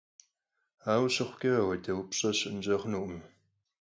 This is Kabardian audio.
Aue şıxhuç'e, apxuede vupş'e şı'enç'e xhunukhım.